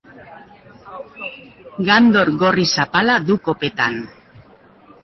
Gandor gorri zapala du kopetan.